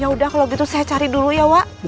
ya udah kalau gitu saya cari dulu ya wak